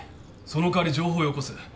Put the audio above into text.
その代わり情報よこせ。